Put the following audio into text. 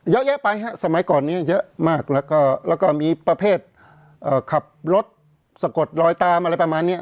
เยอะแยะไปฮะสมัยก่อนนี้เยอะมากแล้วก็มีประเภทขับรถสะกดลอยตามอะไรประมาณนี้